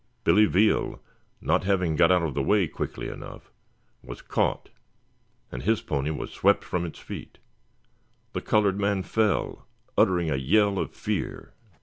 Billy Veal, not having got out of the way quickly enough, was caught, and his pony was swept from its feet. The colored man fell, uttering a yell of fear.